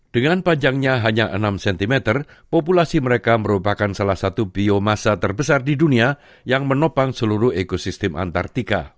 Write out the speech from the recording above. dengan panjangnya hanya enam cm populasi mereka merupakan salah satu biomasa terbesar di dunia yang menopang seluruh ekosistem antartika